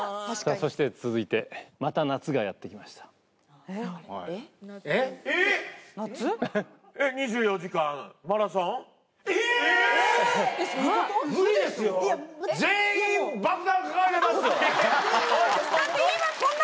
そして続いて、また夏がやっえっ？えっ？夏？